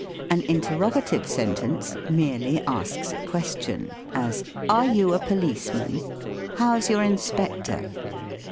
An interrogative sentence "merely asks a question :" as, "Are you a policeman? How's your Inspector?"